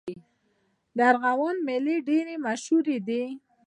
د ارغوان میلې ډېرې مشهورې دي.